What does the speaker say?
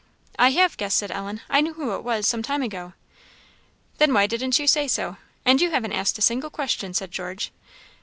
"I have guessed," said Ellen; "I knew who it was, some time ago." "Then why didn't you say so? and you haven't asked a single question," said George.